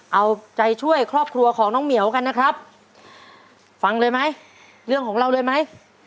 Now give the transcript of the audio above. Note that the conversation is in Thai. เอาใจช่วยครอบครัวของน้องเหมียวกันนะครับฟังเลยไหมเรื่องของเราเลยไหม